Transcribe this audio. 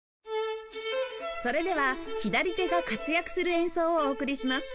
それでは左手が活躍する演奏をお送りします